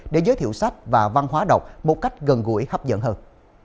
để giới thiệu sách và văn hóa đọc một cách gần gũi hấp dẫn hơn